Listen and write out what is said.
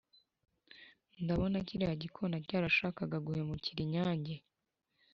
ndabona kiriya gikona cyarashakaga guhemukira inyange.